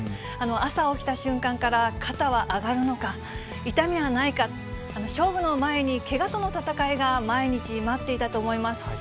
朝起きた瞬間から肩は上がるのか、痛みはないか、勝負の前にけがとの闘いが毎日待っていたと思います。